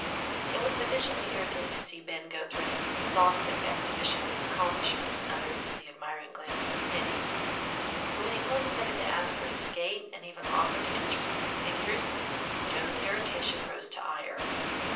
It was sufficiently irritating to see Ben go through an exhaustive exhibition of his accomplishments under the admiring glances of Mittie, but when he condescended to ask her to skate, and even offered to teach her some new figures, Joe's irritation rose to ire.